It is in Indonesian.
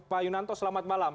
pak yunanto selamat malam